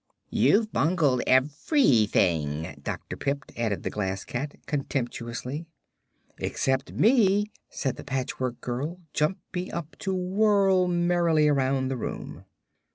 "You've bungled everything, Dr. Pipt," added the Glass Cat, contemptuously. "Except me," said the Patchwork Girl, jumping up to whirl merrily around the room.